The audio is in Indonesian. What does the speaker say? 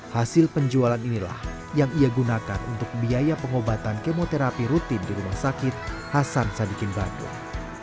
hasil penjualan inilah yang ia gunakan untuk biaya pengobatan kemoterapi rutin di rumah sakit hasan sadikin bandung